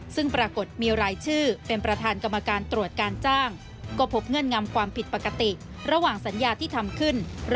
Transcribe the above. ซึ่งปรากฏมีรายชื่อ